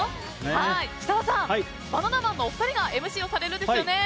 設楽さん、バナナマンのお二人がＭＣをされるんですよね。